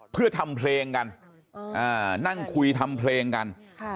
เพื่อทำเพลงกันนั่งคุยทำเพลงกัน